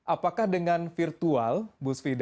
apakah dengan virtual bu svida